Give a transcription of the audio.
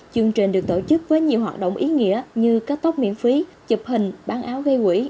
chương trình được tổ chức với nhiều hoạt động ý nghĩa như cắt tóc miễn phí chụp hình bán áo gây quỹ